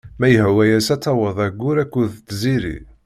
Ma yehwa-as ad taweḍ aggur akked tziri.